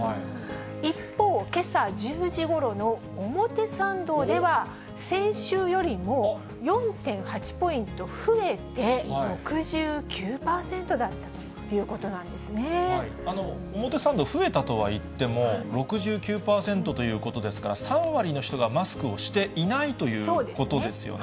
一方、けさ１０時ごろの表参道では、先週よりも４．８ポイント増えて６９％だったということなんです表参道、増えたとはいっても、６９％ということですから、３割の人がマスクをしていないということですよね。